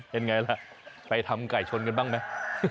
เป็นไงล่ะไปทำไก่ชนกันบ้างไหม